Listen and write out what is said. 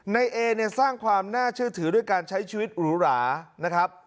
เอเนี่ยสร้างความน่าเชื่อถือด้วยการใช้ชีวิตหรูหรานะครับ